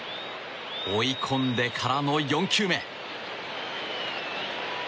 追い込んでからの４球目。